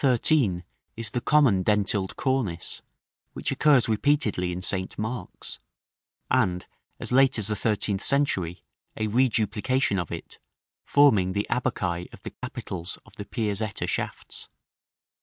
13 is the common dentiled cornice, which occurs repeatedly in St. Mark's; and, as late as the thirteenth century, a reduplication of it, forming the abaci of the capitals of the Piazzetta shafts.